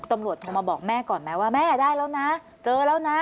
โทรมาบอกแม่ก่อนไหมว่าแม่ได้แล้วนะเจอแล้วนะ